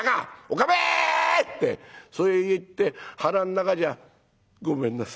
おかめ！』ってそう言って腹ん中じゃ『ごめんなさい。